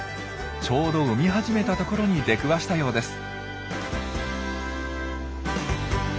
ちょうど産み始めたところに出くわしたようです。